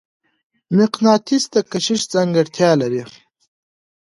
مقناطیس د کشش ځانګړتیا لري.